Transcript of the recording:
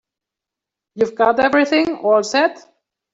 You've got everything all set?